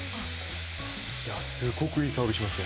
すごくいい香りがしますね。